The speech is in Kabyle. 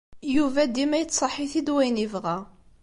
Yuba dima yettṣaḥ-it-id wayen yebɣa.